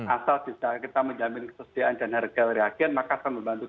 asal kita menjamin kesetiaan dan harga reaksian maka kita harus mencari